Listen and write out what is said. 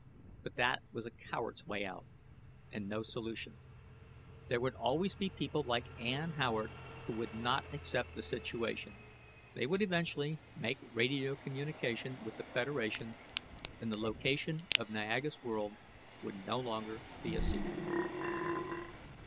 But that was a coward's way out and no solution. There would always be people like Ann Howard who would not accept the situation. They would eventually make radio communication with the Federation, and the location of Niaga's world would no longer be a secret.